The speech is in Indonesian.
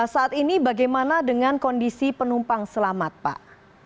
saat ini bagaimana dengan kondisi penumpang selamat pak